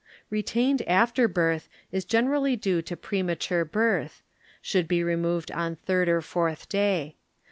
Retained ArreaBiRTH is generally due to premature birth; should be removed on third or fourth day.